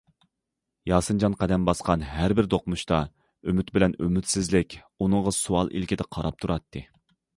ياسىنجان قەدەم باسقان ھەر بىر دوقمۇشتا ئۈمىد بىلەن ئۈمىدسىزلىك ئۇنىڭغا سوئال ئىلكىدە قاراپ تۇراتتى.